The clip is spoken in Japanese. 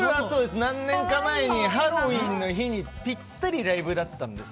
何年か前にハロウィーンの日にぴったりライブだったんです。